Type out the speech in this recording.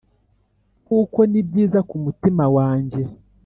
kuko nibyiza kumutima wanjye